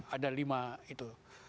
ada lima itu